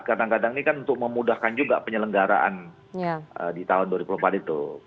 kadang kadang ini kan untuk memudahkan juga penyelenggaraan di tahun dua ribu empat itu